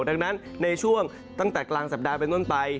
ดังนั้นในช่วงตั้งแต่กลางสัปดาห์เป็นต้นไป